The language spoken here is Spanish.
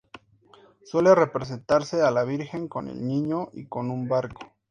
Suele representarse a la Virgen con el Niño y con un barco.